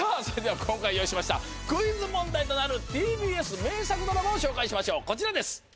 それでは今回用意しましたクイズ問題となるＴＢＳ名作ドラマを紹介しましょうこちらです